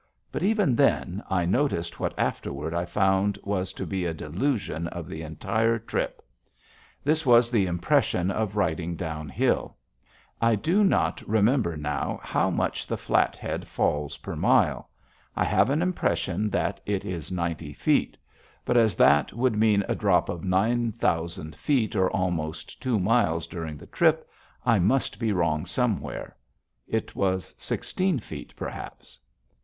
But, even then, I noticed what afterward I found was to be a delusion of the entire trip. This was the impression of riding downhill. I do not remember now how much the Flathead falls per mile. I have an impression that it is ninety feet, but as that would mean a drop of nine thousand feet, or almost two miles, during the trip, I must be wrong somewhere. It was sixteen feet, perhaps.